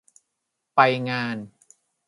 ไปงาน